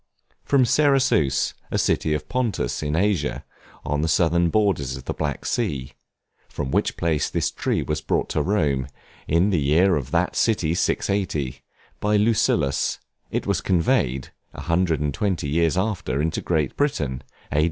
From Cerasus, a city of Pontus, in Asia, on the southern borders of the Black Sea; from which place this tree was brought to Rome, in the year of that city 680, by Lucullus; it was conveyed, a hundred and twenty eight years after, into Great Britain, A.